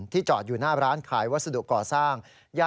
จอดอยู่หน้าร้านขายวัสดุก่อสร้าง